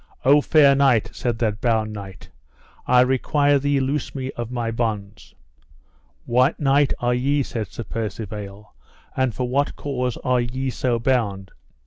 O fair knight, said that bound knight, I require thee loose me of my bonds. What knight are ye, said Sir Percivale, and for what cause are ye so bound?